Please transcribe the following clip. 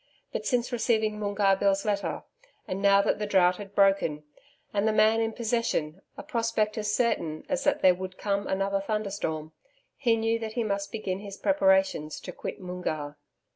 But since receiving Moongarr Bill's letter, and now that the drought had broken, and the Man in Possession a prospect as certain as that there would come another thunderstorm, he knew that he must begin his preparations to quit Moongarr.